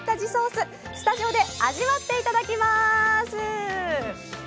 スタジオで味わっていただきます。